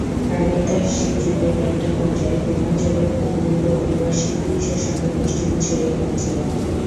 প্রাগৈতিহাসিক যুগের একটা পর্যায়ে পূর্বাঞ্চলীয় কুকুরগুলো অভিবাসী মানুষের সঙ্গে পশ্চিমে ছড়িয়ে পড়েছিল।